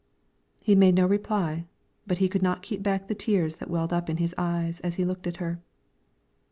He made no reply, but he could not keep back the tears that welled up to his eyes as he looked at her.